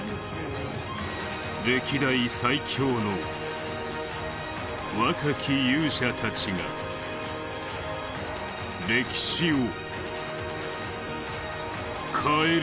歴代最強の若き勇者たちが、歴史を変える。